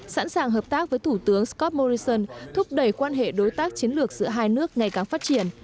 sẵn sàng hợp tác với thủ tướng scott morrison thúc đẩy quan hệ đối tác chiến lược giữa hai nước ngày càng phát triển